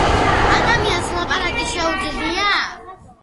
ადამიანს ლაპარაკი შეუძლია